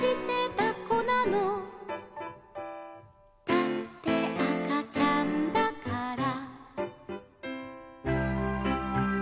「だってあかちゃんだから」